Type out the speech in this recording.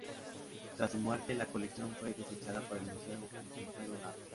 Tras su muerte, la colección fue desechada por el museo al que fue donada.